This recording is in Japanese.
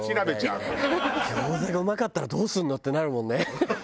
餃子がうまかったらどうすんの？ってなるもんね。